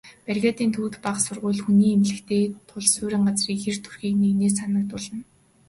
Бригадын төвд бага сургууль, хүний эмнэлэгтэй тул суурин газрын хэр төрхийг нэгнээ санагдуулна.